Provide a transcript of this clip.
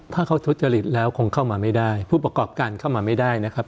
ถ้าเขาทุจริตแล้วคงเข้ามาไม่ได้ผู้ประกอบการเข้ามาไม่ได้นะครับ